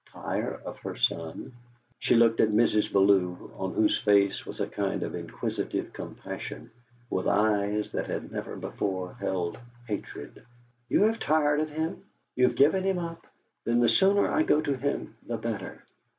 Tire of her son? She looked at Mrs. Bellew, on whose face was a kind of inquisitive compassion, with eyes that had never before held hatred. "You have tired of him? You have given him up? Then the sooner I go to him the better!